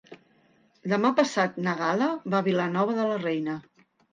Demà passat na Gal·la va a Vilanova de la Reina.